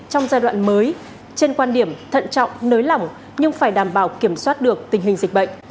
trong giai đoạn mới trên quan điểm thận trọng nới lỏng nhưng phải đảm bảo kiểm soát được tình hình dịch bệnh